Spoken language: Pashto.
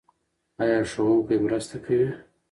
ایا ښوونکی مرسته کوي؟